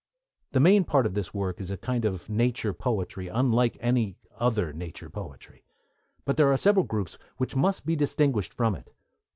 The main part of this work is a kind of nature poetry unlike any other nature poetry; but there are several groups which must be distinguished from it.